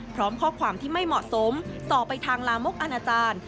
พร้อมข้อความที่ไม่เหมาะสมต่อไปทางลามกอนาจารย์